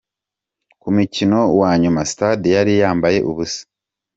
Ku mukino wa nyuma stade yari yambaye ubusa.